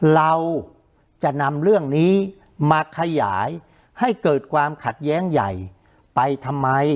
เราจะนำเรื่องนี้มาขยายให้เกิดความขัดแย้งใหญ่ไปทำไม